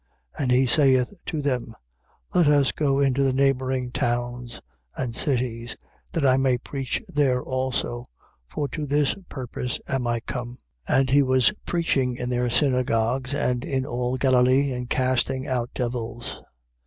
1:38. And he saith to them: Let us go into the neighbouring towns and cities, that I may preach there also; for to this purpose am I come. 1:39. And he was preaching in their synagogues and in all Galilee and casting out devils.